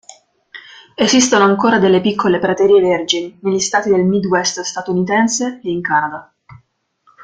Esistono ancora delle piccole praterie vergini negli stati del Midwest statunitense e in Canada.